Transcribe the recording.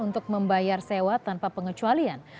untuk membayar sewa tanpa pengecualian